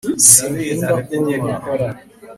sinkunda kunywa